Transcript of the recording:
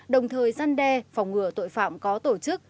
đồng thời gian đe phòng ngừa tội phạm có tổ chức